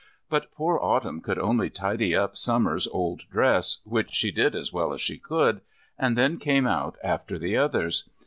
But poor Autumn could only tidy up Summer's old dress, which she did as well as she could, and then came out after the others.